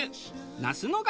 那須野ヶ